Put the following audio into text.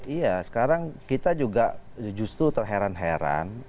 iya sekarang kita juga justru terheran heran